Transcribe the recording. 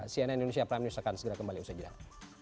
cnn indonesia prime news akan segera kembali usai jeda